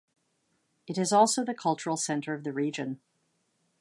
It is also the cultural centre of the region.